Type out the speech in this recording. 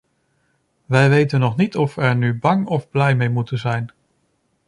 Wij weten nog niet of we er nu bang of blij mee moeten zijn.